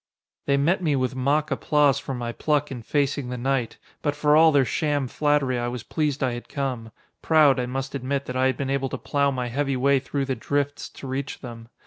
They met me with mock applause for my pluck in facing the night, but for all their sham flattery I was pleased I had come, proud, I must admit, that I had been able to plough my heavy way through the drifts to reach them.